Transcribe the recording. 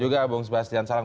juga bung sebastian salang